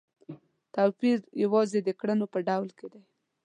توپیر یوازې د کړنو په ډول کې دی.